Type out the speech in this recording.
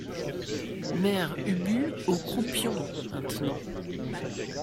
Mère Ubu Aux croupions, maintenant.